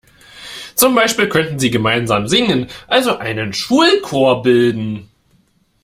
Zum Beispiel könnten sie gemeinsam singen, also einen Schulchor bilden.